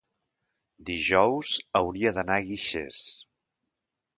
dijous hauria d'anar a Guixers.